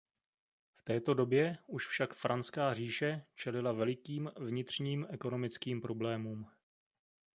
V této době už však Franská říše čelila velikým vnitřním ekonomickým problémům.